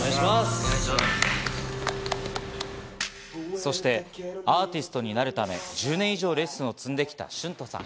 そしてアーティストになるため１０年以上レッスンを積んできたシュントさん。